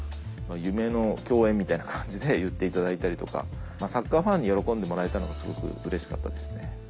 夢の共演みたいな感じで言っていただいたりとかサッカーファンに喜んでもらえたのがすごくうれしかったですね。